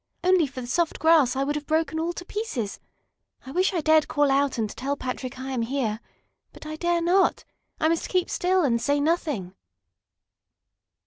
"Only for the soft grass I would have broken all to pieces! I wish I dared call out and tell Patrick I am here. But I dare not. I must keep still and say nothing."